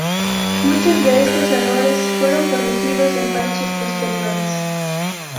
Muchos de estos errores fueron corregidos en parches posteriores.